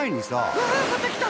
うわっまたきた！